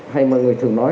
hay mọi người thường nói